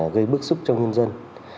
gây bức xúc trong nhân dân